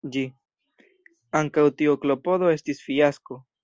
Ankaŭ tiu klopodo estis fiasko.